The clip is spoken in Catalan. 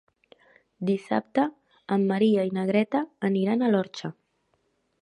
Dissabte en Maria i na Greta aniran a l'Orxa.